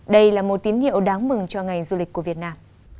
đây là một tín hiệu đáng mừng cho ngành du lịch của việt nam